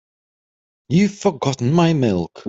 You've forgotten my milk.